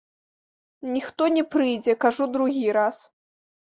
Ніхто не прыйдзе, кажу другі раз.